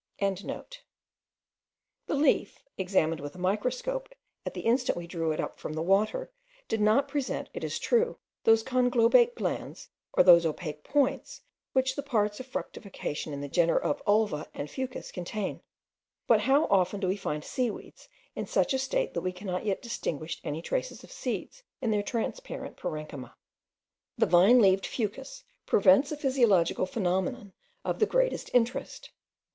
The leaf, examined with a microscope at the instant we drew it up from the water, did not present, it is true, those conglobate glands, or those opaque points, which the parts of fructification in the genera of ulva and fucus contain; but how often do we find seaweeds in such a state that we cannot yet distinguish any trace of seeds in their transparent parenchyma. The vine leaved fucus presents a physiological phenomenon of the greatest interest.